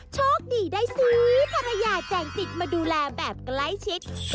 โชคดีได้สิภรรยาแจ่งสิทธิ์มาดูแลแบบไกล้ชิด